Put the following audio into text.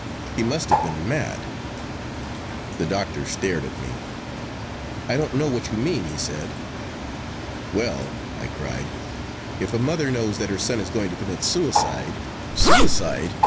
He must have been mad.' The doctor stared at me. 'I don't know what you mean,' he said. 'Well,' I cried, 'if a mother knows that her son is going to commit suicide—' 'Suicide!